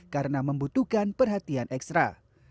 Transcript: karena membutuhkan perhatian ekstra